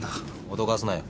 脅かすなよ。